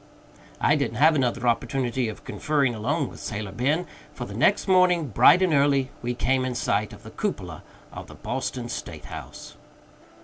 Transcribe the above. I didn't have another opportunity of conferring alone with Sailor Ben, for the next morning, bright and early, we came in sight of the cupola of the Boston State House.